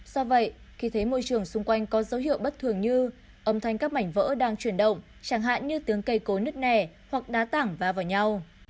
do vậy khi thấy môi trường xung quanh có dấu hiệu bất thường như âm thanh các mảnh vỡ đang chuyển động chẳng hạn như tiếng cây cối nứt nẻ hoặc đá tảng va vào nhau